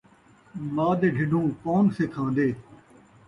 ماء دے ڈھڈھوں کون سِکھ آن٘دے